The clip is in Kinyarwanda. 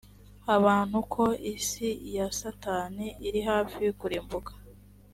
abantu ko isi ya satani iri hafi kurimbuka